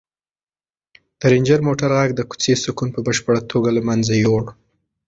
د رنجر موټر غږ د کوڅې سکون په بشپړه توګه له منځه یووړ.